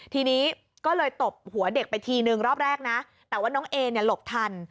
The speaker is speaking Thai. ทีนี้ก็เลยตบหัวเด็กไปทีนึงรอบแรกนะแต่ว่าน้องเอเนี่ยหลบทัน